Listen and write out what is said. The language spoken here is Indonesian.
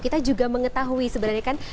kita juga mengetahui sebenarnya kan